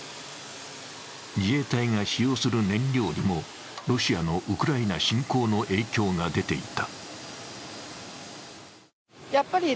自衛隊が使用する燃料にもロシアのウクライナ侵攻の影響が出ていた。